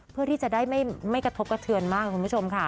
เพื่อที่จะได้ไม่กระทบกระเทือนมากคุณผู้ชมค่ะ